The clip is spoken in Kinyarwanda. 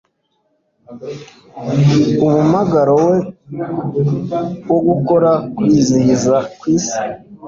umuhamagaro we wo gukora, kwizihiza, kwisi